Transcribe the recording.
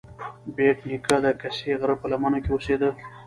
بېټ نیکه د کسي غره په لمنو کې اوسیده.